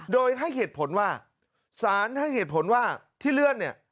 โดยให้เหตุผลว่าสารให้เหตุผลว่าที่เลื่อนเนี่ย